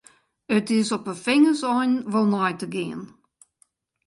It is op 'e fingerseinen wol nei te gean.